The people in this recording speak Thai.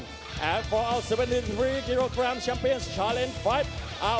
และกับคุณพันที่๗๓กิโลแกรมชัมเปียนชาลินด์ต่อไปกัน